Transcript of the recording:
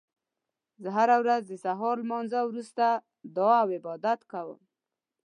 زه هره ورځ د سهار لمانځه وروسته دعا او عبادت کوم